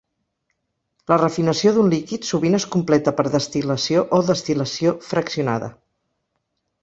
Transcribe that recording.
La refinació d'un líquid sovint es completa per destil·lació o destil·lació fraccionada.